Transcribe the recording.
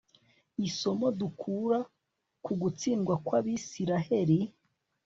isomo dukura ku gutsindwa kw'abisiraheli